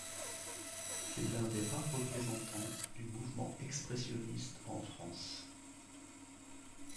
C'est l'un des rares représentants du mouvement expressionniste en France.